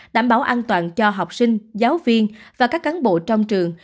đảm bảo an toàn cho học sinh giáo viên và các cán bộ trong trường